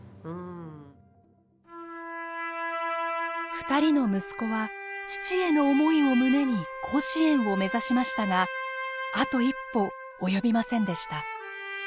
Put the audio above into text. ２人の息子は父への思いを胸に甲子園を目指しましたがあと一歩及びませんでした。